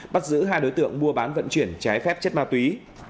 bắt giữ hai đối tượng mua bán vận chuyển trái phép chất ma túy